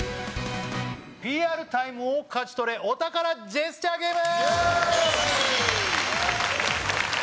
「ＰＲタイムを勝ち取れお宝ジェスチャーゲーム」！